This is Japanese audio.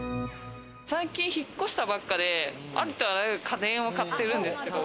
最近引っ越したばっかで、ありとあらゆる家電を買ってるんですけど、